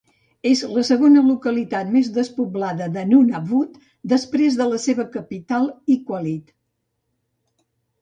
És la segona localitat més despoblada de Nunavut després de la seva capital Iqaluit.